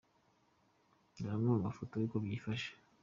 Dore amwe mu mafoto uko byifashe:.